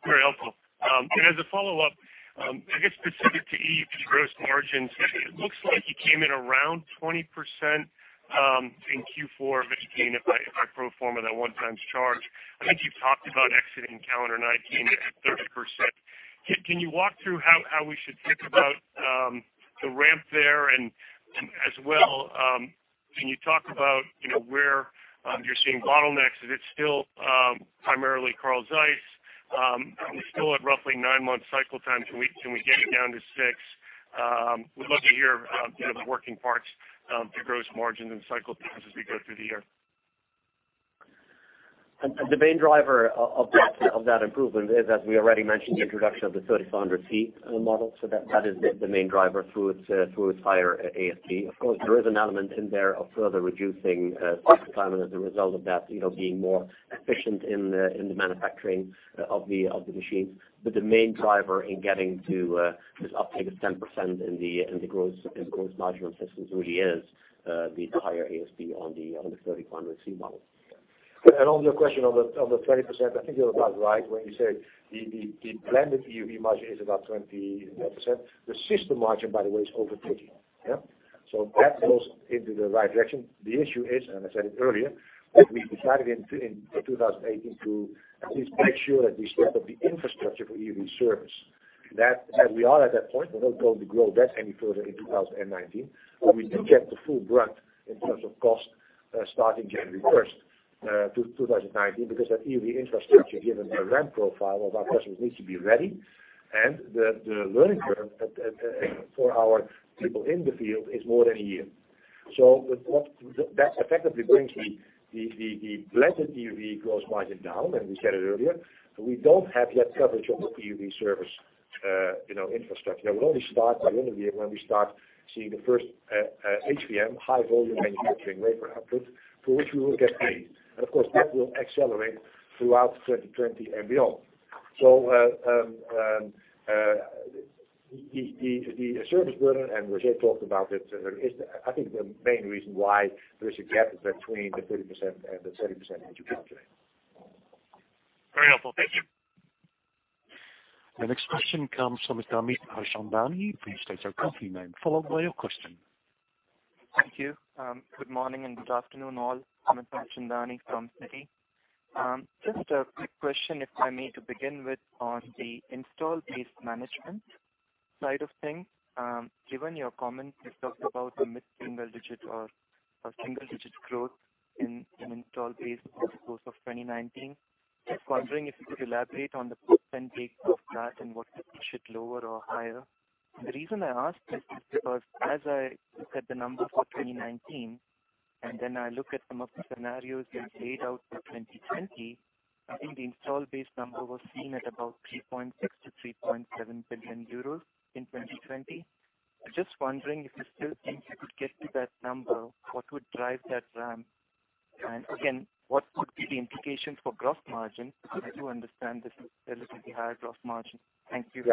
Very helpful. As a follow-up, specific to EUV gross margins, it looks like you came in around 20% in Q4 of 2018, if I pro forma that one-time charge. You talked about exiting calendar 2019 at 30%. Can you walk through how we should think about the ramp there, and as well, can you talk about where you're seeing bottlenecks? Is it still primarily Carl Zeiss SMT? We're still at roughly 9 months cycle time. Can we get it down to 6? We'd love to hear the working parts of the gross margins and cycle times as we go through the year. The main driver of that improvement is, as we already mentioned, the introduction of the NXE:3400C model. That is the main driver through its higher ASP. Of course, there is an element in there of further reducing cycle time as a result of that being more efficient in the manufacturing of the machines. The main driver in getting to this uptick of 10% in the gross margin on systems really is the higher ASP on the NXE:3400C model. On your question on the 20%, I think you're about right when you say the blended EUV margin is about 20%. The system margin, by the way, is over 30. The issue is, and I said it earlier, that we decided in 2018 to at least make sure that we set up the infrastructure for EUV service. We are at that point, but we don't go to grow that any further in 2019, but we do get the full brunt in terms of cost starting January 1st, 2019, because that EUV infrastructure, given the ramp profile of our customers, needs to be ready, and the learning curve for our people in the field is more than a year. That effectively brings the blended EUV gross margin down, and we said it earlier, we don't have yet coverage of the EUV service infrastructure. That will only start at the end of the year when we start seeing the first HVM, high-volume manufacturing wafer output, for which we will get paid. Of course, that will accelerate throughout 2020 and beyond. The service burden, and Roger talked about it, is I think the main reason why there is a gap between the 30% and the 30% that you calculate. Very helpful. Thank you. The next question comes from Mr. Amit Daryanani. Please state your company name, followed by your question. Thank you. Good morning, and good afternoon all. Amit Daryanani from Citi. Just a quick question, if I may, to begin with on the install-based management side of things. Given your comments, you talked about a mid-single digit or a single-digit growth in install base over the course of 2019. Just wondering if you could elaborate on the put and take of that and what should lower or higher. The reason I ask this is because as I look at the numbers for 2019, and then I look at some of the scenarios you've laid out for 2020, I think the install base number was seen at about 3.6 billion-3.7 billion euros in 2020. Just wondering if you still think you could get to that number, what would drive that ramp, and again, what would be the implication for gross margin, as I do understand this is a relatively higher gross margin. Thank you.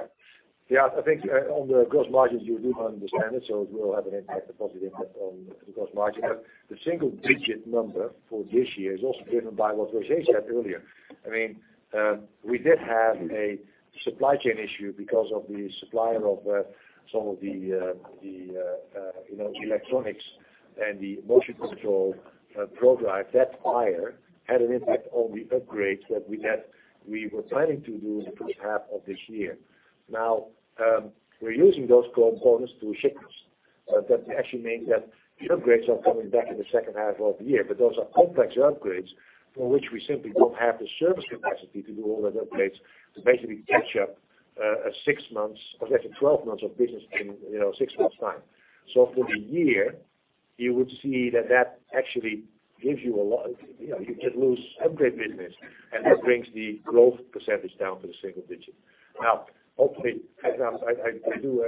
Yeah. I think on the gross margins, you do understand it will have an impact, a positive impact on the gross margin. The single-digit number for this year is also driven by what Roger said earlier. We did have a supply chain issue because of the supplier of some of the electronics and the motion control program. That fire had an impact on the upgrades that we were planning to do in the first half of this year. Now, we're using those components to ship. That actually means that the upgrades are coming back in the second half of the year, but those are complex upgrades for which we simply don't have the service capacity to do all those upgrades to basically catch up a six months or let's say 12 months of business in six months' time. For the year, you would see that actually gives you a lot. You just lose upgrade business, and that brings the growth percentage down to the single digit. Hopefully, I do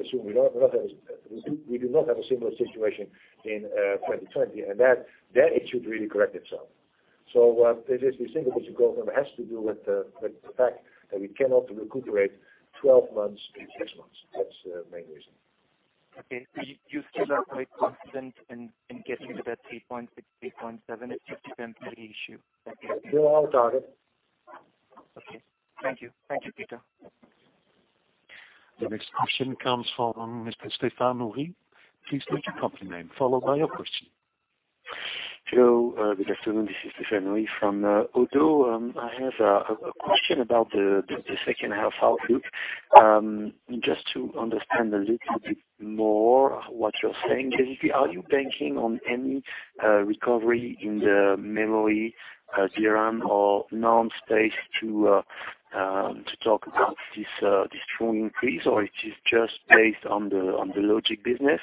assume we do not have a similar situation in 2020, and that issue would really correct itself. This single-digit growth number has to do with the fact that we cannot recuperate 12 months in six months. That's the main reason. Okay. You still are quite confident in getting to that 3.6, 3.7 if this is temporary issue. Thank you. We're on target. Okay. Thank you. Thank you, Peter. The next question comes from Mr. Stephane Houri. Please state your company name, followed by your question. Hello. Good afternoon. This is Stephane Houri from ODDO BHF. I have a question about the second half outlook. Just to understand a little bit more what you are saying. Basically, are you banking on any recovery in the memory DRAM or NAND space to talk about this strong increase, or it is just based on the logic business?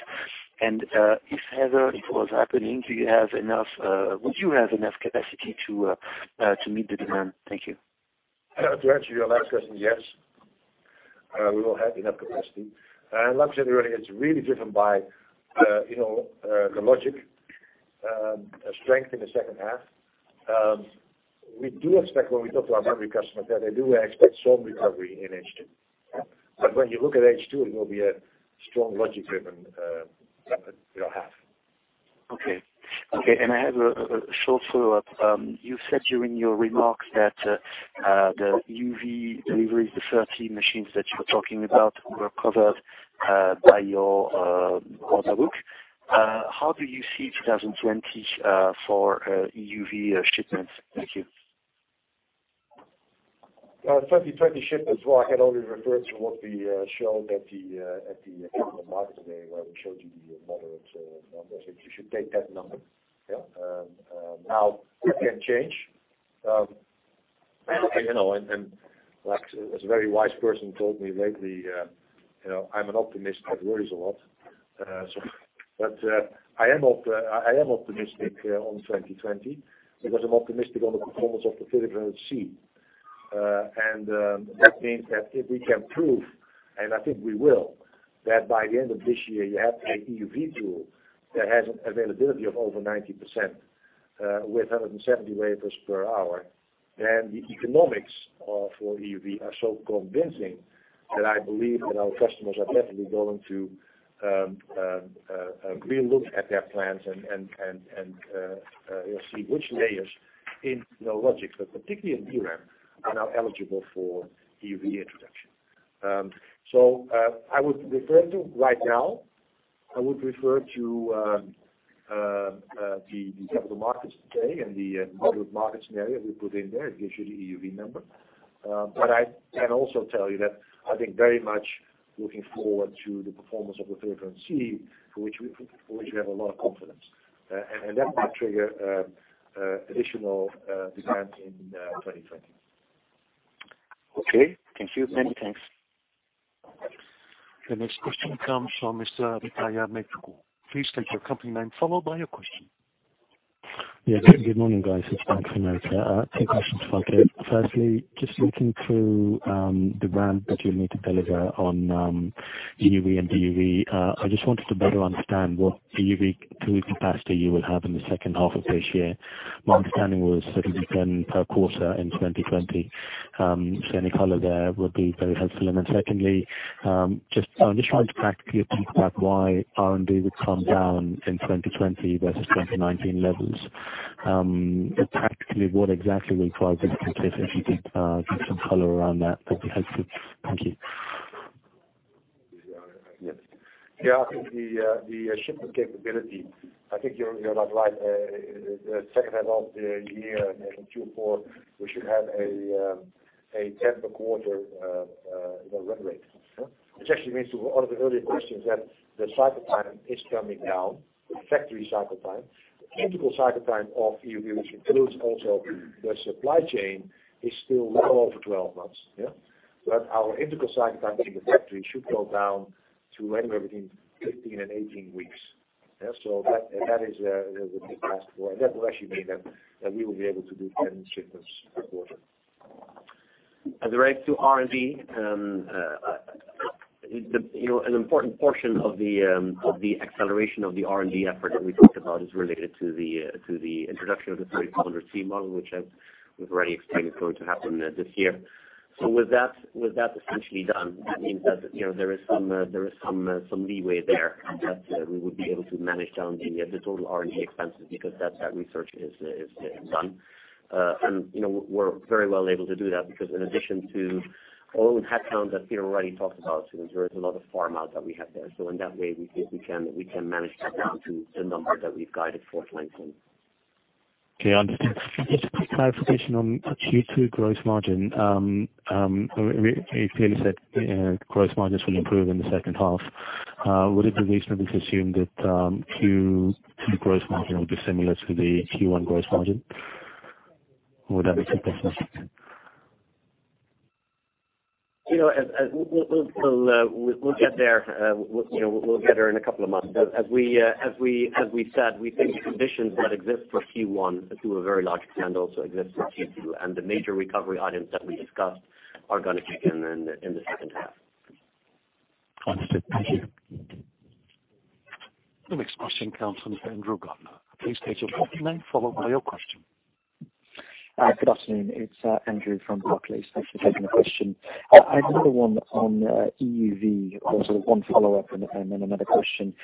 If ever it was happening, would you have enough capacity to meet the demand? Thank you. To answer your last question, yes. We will have enough capacity. Like I said earlier, it is really driven by the logic strength in the second half. We do expect when we talk to our memory customers that they do expect some recovery in H2. When you look at H2, it will be a strong logic-driven half. Okay. I have a short follow-up. You said during your remarks that the EUV deliveries, the 30 machines that you were talking about, were covered by your order book. How do you see 2020 for EUV shipments? Thank you. 2020 shipments, well, I can only refer to what we showed at the Capital Markets Day, where we showed you the moderate numbers. If you should take that number. Now it can change. As a very wise person told me lately, I'm an optimist that worries a lot. I am optimistic on 2020 because I'm optimistic on the performance of the 35C. That means that if we can prove, and I think we will, that by the end of this year you have an EUV tool that has an availability of over 90% with 170 wafers per hour, then the economics for EUV are so convincing that I believe that our customers are definitely going to re-look at their plans and see which layers in the logics, but particularly in DRAM, are now eligible for EUV introduction. I would refer to right now, I would refer to the Capital Markets Day and the market scenario we put in there gives you the EUV number. I can also tell you that I think very much looking forward to the performance of the 35C, for which we have a lot of confidence. That might trigger additional demand in 2020. Thank you. Many thanks. The next question comes from Mr. Mitaya Metsu. Please state your company name, followed by your question. Yeah. Good morning, guys. It's Bank of America. Two questions, if I could. Firstly, just looking through the ramp that you'll need to deliver on EUV and DUV, I just wanted to better understand what DUV tool capacity you will have in the second half of this year. My understanding was 30 per quarter in 2020. Any color there would be very helpful. Secondly, just trying to practically peek back why R&D would come down in 2020 versus 2019 levels. Practically, what exactly will drive this? If you could give some color around that'd be helpful. Thank you. Yeah, I think the shipment capability, I think you're about right. The second half of the year, maybe Q4, we should have a 10 per quarter run rate. Actually means to one of the earlier questions that the cycle time is coming down, the factory cycle time. The integral cycle time of EUV, which includes also the supply chain, is still well over 12 months. Our integral cycle time in the factory should go down to anywhere between 15 and 18 weeks. That is what you asked for. That will actually mean that we will be able to do 10 shipments per quarter. As it relates to R&D, an important portion of the acceleration of the R&D effort that we talked about is related to the introduction of the 30C model, which as we've already explained, is going to happen this year. With that essentially done, that means that there is some leeway there that we would be able to manage down the total R&D expenses because that research is done. We're very well able to do that because in addition to all the headcount that Peter already talked about, there is a lot of farm out that we have there. In that way, we think we can manage that down to the number that we've guided for 2020. Okay, understood. Just clarification on Q2 gross margin. You clearly said gross margins will improve in the second half. Would it be reasonable to assume that Q2 gross margin will be similar to the Q1 gross margin? Would that be typical? We'll get there in a couple of months. As we said, we think the conditions that exist for Q1 to a very large extent also exist for Q2, and the major recovery items that we discussed are going to kick in in the second half. Understood. Thank you. The next question comes from Andrew Gardiner. Please state your company name, followed by your question. Good afternoon. It's Andrew from Barclays. Thanks for taking the question. I have another one on EUV. Sort of one follow-up and then another question.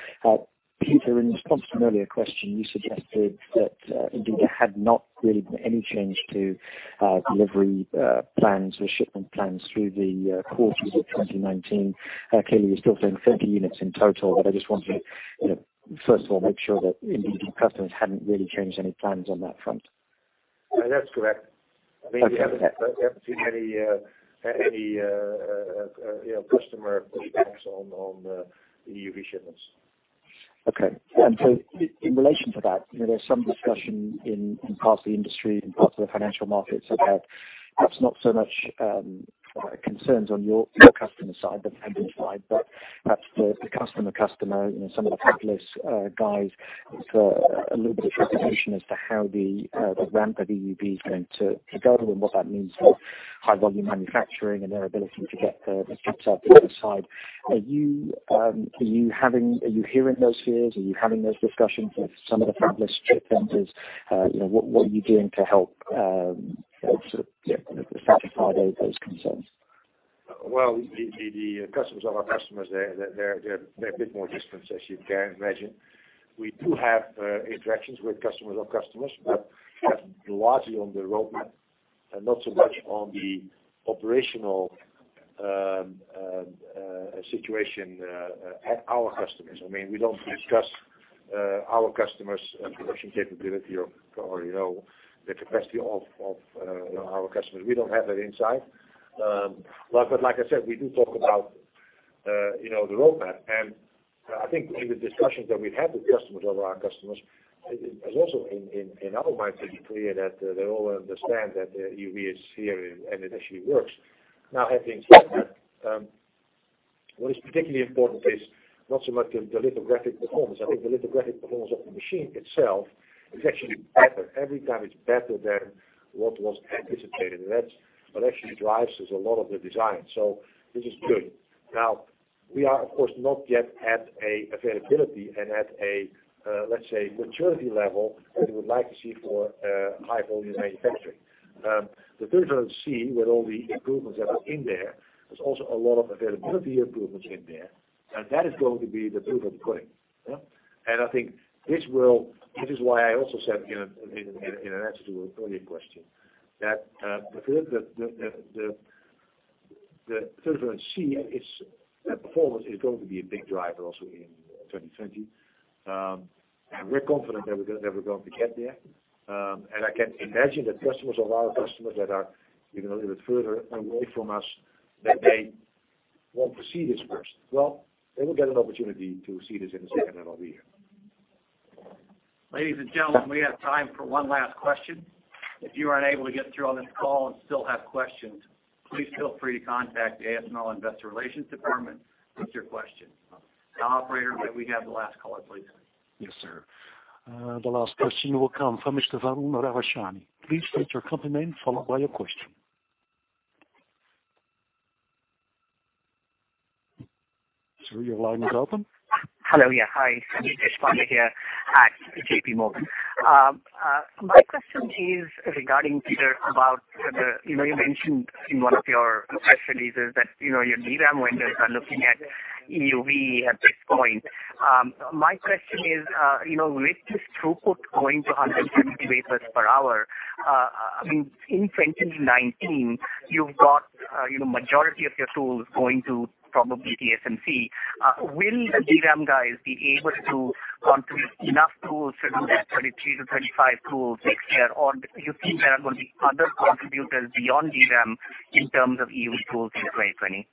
Peter, in response to an earlier question, you suggested that indeed there had not really been any change to delivery plans or shipment plans through the course of 2019. Clearly, you're still saying 50 units in total, but I just wanted to first of all make sure that indeed your customers hadn't really changed any plans on that front. That's correct. Okay. We haven't seen any customer pushbacks on the EUV shipments. Okay. In relation to that, there's some discussion in parts of the industry, in parts of the financial markets about perhaps not so much concerns on your customer side, the end-user side, but perhaps the customer-customer. Some of the fabless guys have a little bit of trepidation as to how the ramp of EUV is going to go and what that means for high-volume manufacturing and their ability to get the chips out the other side. Are you hearing those fears? Are you having those discussions with some of the fabless chip vendors? What are you doing to help sort of satisfy those concerns? Well, the customers of our customers, they're a bit more distant, as you can imagine. We do have interactions with customers of customers, but largely on the roadmap and not so much on the operational situation at our customers. We don't discuss our customers' production capability or the capacity of our customers. We don't have that insight. Like I said, we do talk about the roadmap. I think in the discussions that we've had with customers or our customers, it is also in our minds, it is clear that they all understand that EUV is here and it actually works. Now, having said that, what is particularly important is not so much the lithographic performance. I think the lithographic performance of the machine itself is actually better. Every time, it's better than what was anticipated, and that's what actually drives us a lot of the design. This is good. We are, of course, not yet at availability and at a, let's say, maturity level that we would like to see for high volume manufacturing. The 35C, with all the improvements that are in there's also a lot of availability improvements in there, and that is going to be the proof of the pudding. I think this is why I also said, in an answer to an earlier question, that the 35C performance is going to be a big driver also in 2020. We're confident that we're going to get there. I can imagine that customers of our customers that are even a little bit further away from us, that they want to see this first. Well, they will get an opportunity to see this in the second half of the year. Ladies and gentlemen, we have time for one last question. If you are unable to get through on this call and still have questions, please feel free to contact the ASML Investor Relations Department with your questions. Operator, may we have the last caller, please? Yes, sir. The last question will come from Shravan Ravishankar. Please state your company name, followed by your question. Sir, your line is open. Hello. Hi. Shravan Ravishankar here at J.P. Morgan. My question is regarding, Peter, about you mentioned in one of your press releases that your DRAM vendors are looking at EUV at this point. My question is, with this throughput going to 170 wafers per hour, in 2019, you've got majority of your tools going to probably TSMC. Will the DRAM guys be able to contribute enough tools to do that 23-25 tools next year? Or do you think there are going to be other contributors beyond DRAM in terms of EUV tools in 2020?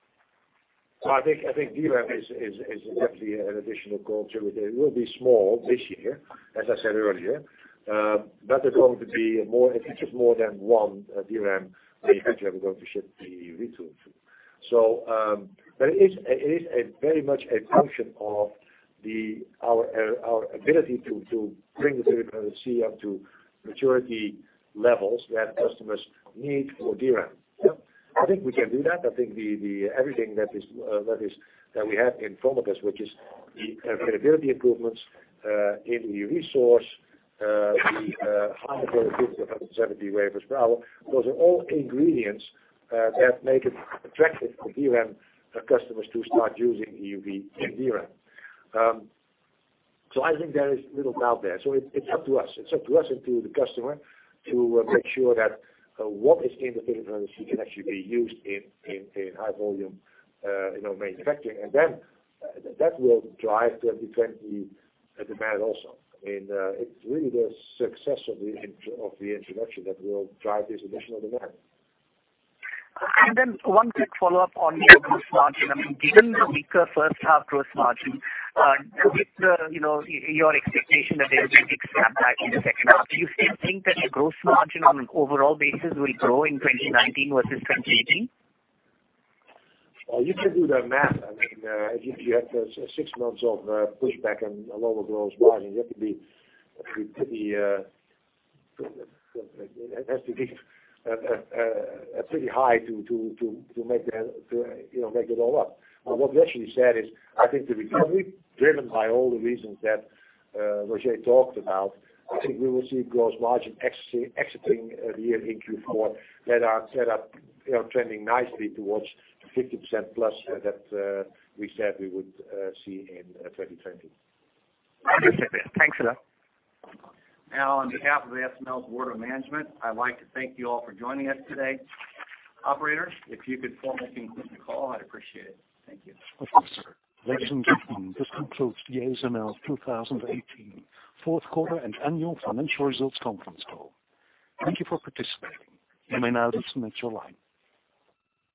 I think DRAM is definitely an additional contributor. It will be small this year, as I said earlier. They're going to be more, if it is more than one DRAM, they potentially are going to ship EUV tools. It is very much a function of our ability to bring the 35C up to maturity levels that customers need for DRAM. I think we can do that. I think everything that we have in front of us, which is the availability improvements in EUV source, the high productivity of 170 wafers per hour. Those are all ingredients that make it attractive for DRAM customers to start using EUV in DRAM. I think there is little doubt there. It's up to us. It's up to us and to the customer to make sure that what is in the 35C can actually be used in high volume manufacturing. That will drive 2020 demand also. It's really the success of the introduction that will drive this additional demand. One quick follow-up on gross margin. Given the weaker first half gross margin, with your expectation that there will be a big snapback in the second half, do you still think that your gross margin on an overall basis will grow in 2019 versus 2018? Well, you can do the math. If you have six months of pushback and a lower gross margin, you have to be pretty high to make it all up. What we actually said is, I think the recovery, driven by all the reasons that Roger Dassen talked about, I think we will see gross margin exiting the year in Q4 that are trending nicely towards 50% plus that we said we would see in 2020. I understand. Thanks a lot. Now, on behalf of ASML's Board of Management, I'd like to thank you all for joining us today. Operator, if you could formally conclude the call, I'd appreciate it. Thank you. Yes, sir. Ladies and gentlemen, this concludes the ASML 2018 fourth quarter and annual financial results conference call. Thank you for participating. You may now disconnect your line.